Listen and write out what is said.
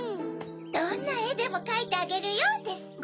「どんなえでもかいてあげるよ」ですって。